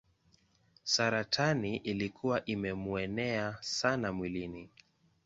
Saratani ilikuwa imemuenea sana mwilini.